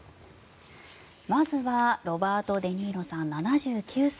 まずはロバート・デ・ニーロさん７９歳。